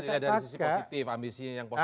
dilihat dari sisi positif ambisi yang positif